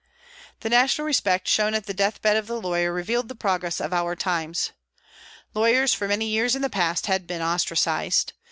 The national respect shown at the death bed of the lawyer revealed the progress of our times. Lawyers, for many years in the past, had been ostracised.